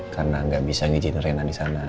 karena enggak bisa ngijin rena di sana